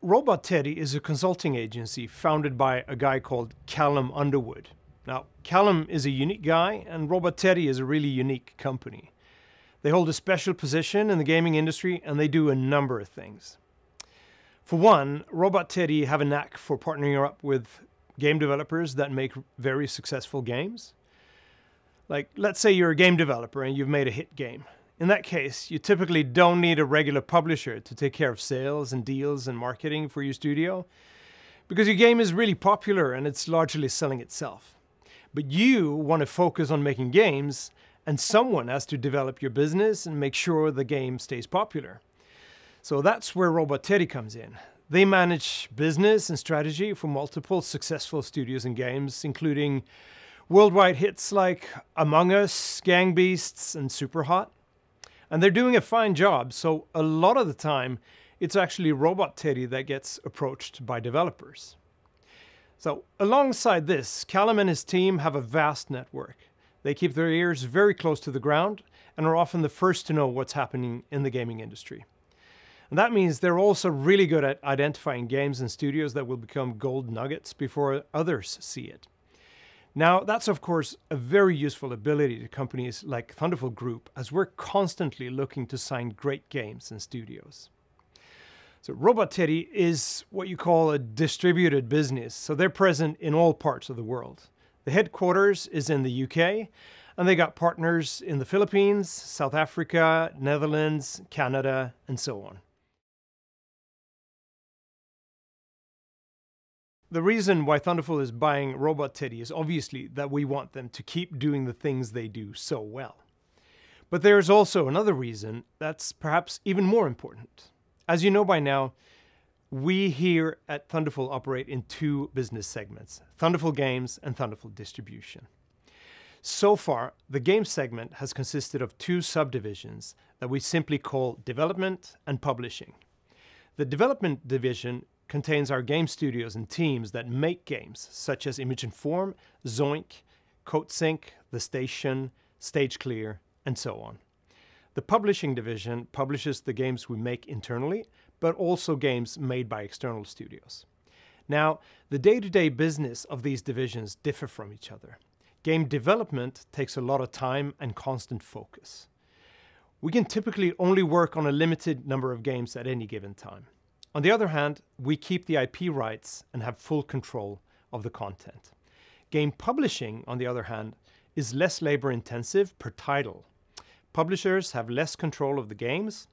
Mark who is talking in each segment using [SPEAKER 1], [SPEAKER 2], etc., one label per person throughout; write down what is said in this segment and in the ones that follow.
[SPEAKER 1] Robot Teddy is a consulting agency founded by a guy called Callum Underwood. Now, Callum is a unique guy, and Robot Teddy is a really unique company. They hold a special position in the gaming industry, and they do a number of things. For one, Robot Teddy have a knack for partnering up with game developers that make very successful games. Like, let's say you're a game developer and you've made a hit game. In that case, you typically don't need a regular publisher to take care of sales and deals and marketing for your studio because your game is really popular, and it's largely selling itself. You wanna focus on making games, and someone has to develop your business and make sure the game stays popular. That's where Robot Teddy comes in. They manage business and strategy for multiple successful studios and games, including worldwide hits like Among Us, Gang Beasts, and SUPERHOT, and they're doing a fine job. A lot of the time, it's actually Robot Teddy that gets approached by developers. Alongside this, Callum and his team have a vast network. They keep their ears very close to the ground and are often the first to know what's happening in the gaming industry, and that means they're also really good at identifying games and studios that will become gold nuggets before others see it. Now, that's of course a very useful ability to companies like Thunderful Group as we're constantly looking to sign great games and studios. Robot Teddy is what you call a distributed business, so they're present in all parts of the world. The headquarters is in the U.K., and they got partners in the Philippines, South Africa, Netherlands, Canada, and so on. The reason why Thunderful is buying Robot Teddy is obviously that we want them to keep doing the things they do so well. There's also another reason that's perhaps even more important. As you know by now, we here at Thunderful operate in two business segments, Thunderful Games and Thunderful Distribution. So far, the game segment has consisted of two subdivisions that we simply call development and publishing. The development division contains our game studios and teams that make games such as Image & Form, Zoink, Coatsink, The Station, Stage Clear, and so on. The publishing division publishes the games we make internally, but also games made by external studios. Now, the day-to-day business of these divisions differ from each other. Game development takes a lot of time and constant focus. We can typically only work on a limited number of games at any given time. On the other hand, we keep the IP rights and have full control of the content. Game publishing, on the other hand, is less labor-intensive per title. Publishers have less control of the games,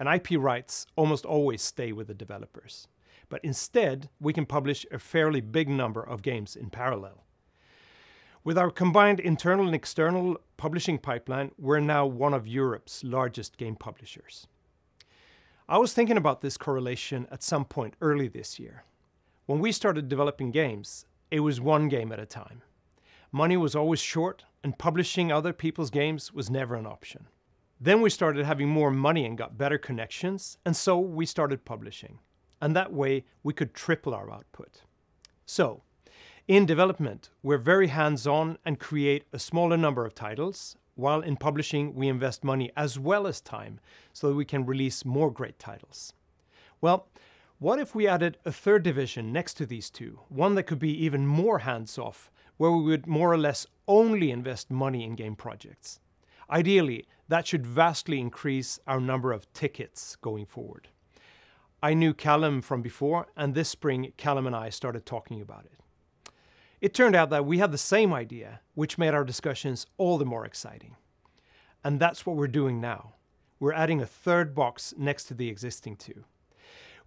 [SPEAKER 1] and IP rights almost always stay with the developers. We can publish a fairly big number of games in parallel. With our combined internal and external publishing pipeline, we're now one of Europe's largest game publishers. I was thinking about this correlation at some point early this year. When we started developing games, it was one game at a time. Money was always short, and publishing other people's games was never an option. We started having more money and got better connections, and so we started publishing, and that way we could triple our output. In development, we're very hands-on and create a smaller number of titles, while in publishing, we invest money as well as time so that we can release more great titles. Well, what if we added a third division next to these two, one that could be even more hands-off, where we would more or less only invest money in game projects? Ideally, that should vastly increase our number of titles going forward. I knew Callum from before, and this spring, Callum and I started talking about it. It turned out that we had the same idea, which made our discussions all the more exciting, and that's what we're doing now. We're adding a third box next to the existing two.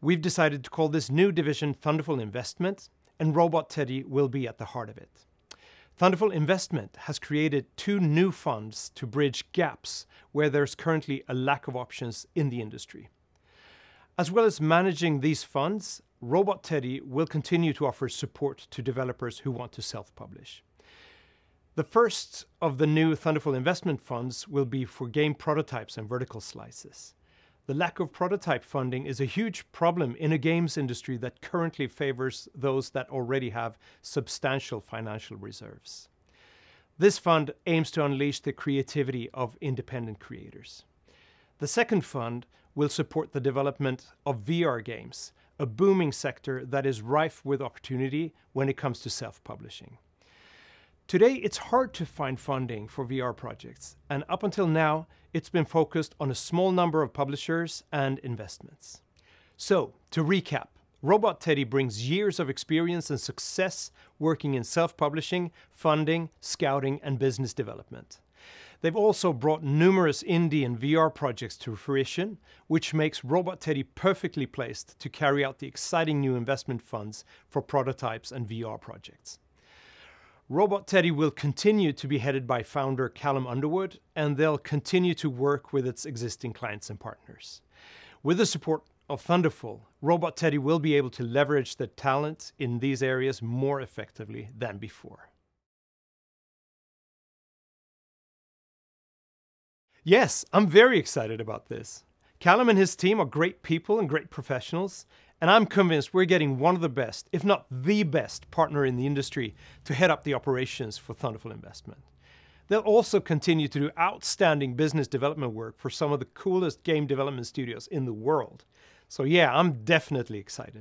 [SPEAKER 1] We've decided to call this new division Thunderful Investment, and Robot Teddy will be at the heart of it. Thunderful Investment has created two new funds to bridge gaps where there's currently a lack of options in the industry. As well as managing these funds, Robot Teddy will continue to offer support to developers who want to self-publish. The first of the new Thunderful Investment funds will be for game prototypes and vertical slices. The lack of prototype funding is a huge problem in a games industry that currently favors those that already have substantial financial reserves. This fund aims to unleash the creativity of independent creators. The second fund will support the development of VR games, a booming sector that is rife with opportunity when it comes to self-publishing. Today, it's hard to find funding for VR projects, and up until now, it's been focused on a small number of publishers and investments. To recap, Robot Teddy brings years of experience and success working in self-publishing, funding, scouting, and business development. They've also brought numerous indie and VR projects to fruition, which makes Robot Teddy perfectly placed to carry out the exciting new investment funds for prototypes and VR projects. Robot Teddy will continue to be headed by founder Callum Underwood, and they'll continue to work with its existing clients and partners. With the support of Thunderful, Robot Teddy will be able to leverage their talent in these areas more effectively than before. Yes, I'm very excited about this. Callum and his team are great people and great professionals, and I'm convinced we're getting one of the best, if not the best, partner in the industry to head up the operations for Thunderful Investment. They'll also continue to do outstanding business development work for some of the coolest game development studios in the world. Yeah, I'm definitely excited.